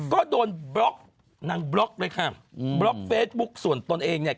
ก็โดนบล็อกนางบล็อกเลยค่ะอืมบล็อกเฟซบุ๊คส่วนตนเองเนี่ย